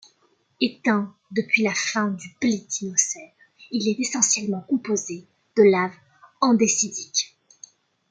Éteint depuis la fin du Pléistocène, il est essentiellement composé de lave andésitique.